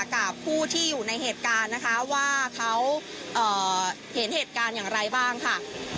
กับผู้ที่อยู่ในเหตุการณ์นะคะว่าเขาเห็นเหตุการณ์อย่างไรบ้างค่ะ